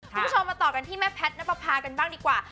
คุณผู้ชมมาต่อกันที่แม่แพทย์นับประพากันบ้างดีกว่า